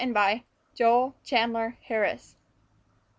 JOEL CHANDLER HARRIS.